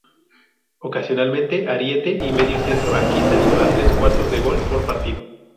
Ocasionalmente ariete y medio centro, aquí salió a tres cuartos de gol por partido.